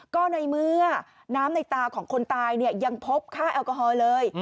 ก็ในเมื่อน้ำในตาของคนตายเนี่ยยังพบค่าแอลกอฮอล์เลย